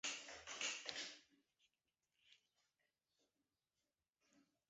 大部分现代衬线体的可读性不及旧体和过渡体衬线体。